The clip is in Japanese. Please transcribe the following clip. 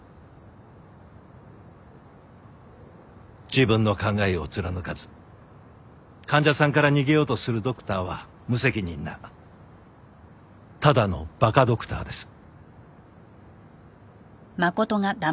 自分の考えを貫かず患者さんから逃げようとするドクターは無責任なただの馬鹿ドクターです。